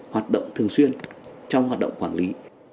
hoạt động thường xuyên trong hoạt động quản lý